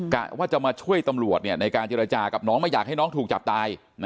กะว่าจะมาช่วยตำรวจในการเจรจากับน้องไม่อยากให้น้องถูกจับตาย